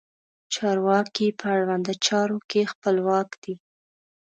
چارواکي په اړونده چارو کې خپلواک دي.